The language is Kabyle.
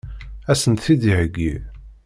Ad sent-t-id-iheggi?